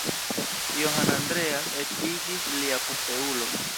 Johann Andreas eĉ iĝis lia posteulo.